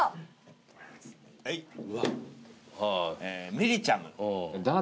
「みりちゃむ」